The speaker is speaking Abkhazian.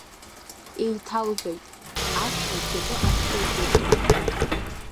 Еиҭалҳәеит, ашә лшьапы анхылгозгьы.